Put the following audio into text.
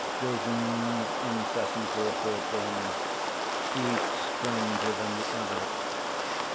Visions incessantly appeared to him, each stranger than the other.